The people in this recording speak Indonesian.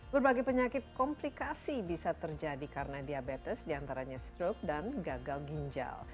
berbagai penyakit komplikasi bisa terjadi karena diabetes diantaranya stroke dan gagal ginjal